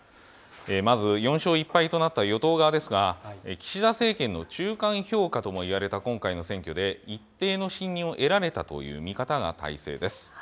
まず４勝１敗となった与党側ですが、岸田政権の中間評価ともいわれた今回の選挙で、一定の信任を得られたという見方が大勢です。